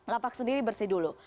lapak sendiri bersih dulu